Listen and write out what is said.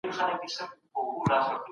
خدای انسان د خپل استازي په توګه وټاکه.